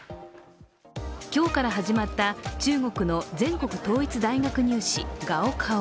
今日から始まった中国の全国統一大学入試、高考。